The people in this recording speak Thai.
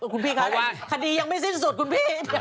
คุณพี่คะคดียังไม่สิ้นสุดคุณพี่